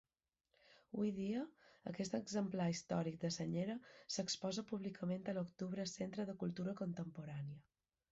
Hui dia aquest exemplar històric de senyera s'exposa públicament a l'Octubre Centre de Cultura Contemporània.